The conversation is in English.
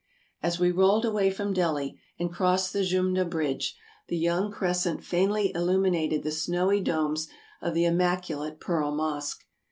As we rolled away from Delhi and crossed the Jumna 312 TRAVELERS AND EXPLORERS bridge, the young crescent faintly illuminated the snowy domes of the immaculate Pearl Mosque.